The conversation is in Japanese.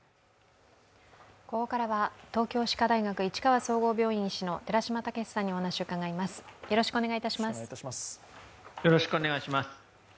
ここからは東京歯科大学市川総合病院医師の寺嶋毅さんにお話を伺います。